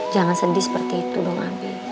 jangan sedih seperti itu dong ambi